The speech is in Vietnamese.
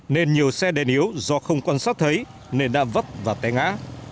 nên nhiều xe đèn yếu do không quan sát thấy nên đã vấp và té ngã